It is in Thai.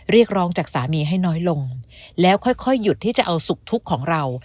เรียกร้องจากสามีให้น้อยลงแล้วค่อยหยุดที่จะเอาสุขทุกข์ของเรา